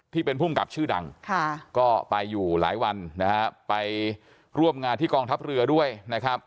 ภูมิกับชื่อดังก็ไปอยู่หลายวันนะฮะไปร่วมงานที่กองทัพเรือด้วยนะครับ